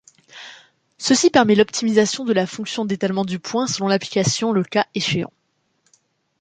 Ceci permet l’optimisation de la fonction d'étalement du point selon l’application le cas échéant.